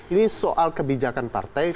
ini soal kebijakan partai